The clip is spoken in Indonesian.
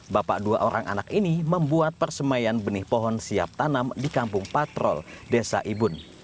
bapak dua orang anak ini membuat persemayan benih pohon siap tanam di kampung patrol desa ibun